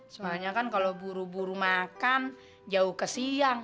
soalnya kan kalau buru buru makan jauh ke siang